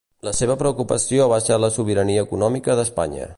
La seva preocupació va ser la sobirania econòmica d'Espanya.